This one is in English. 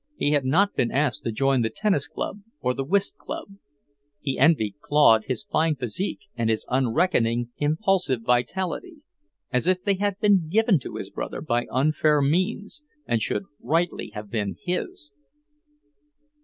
He had not been asked to join the tennis club or the whist club. He envied Claude his fine physique and his unreckoning, impulsive vitality, as if they had been given to his brother by unfair means and should rightly have been his.